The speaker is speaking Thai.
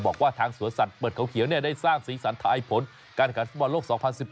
บอกว่าทางสวนสัตว์เปิดเขาเขียวได้สร้างสีสันทายผลการแข่งขันฟุตบอลโลก๒๐๑๘